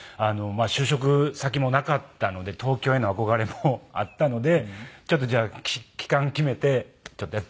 就職先もなかったので東京への憧れもあったのでちょっとじゃあ期間決めてやってみようかみたいな。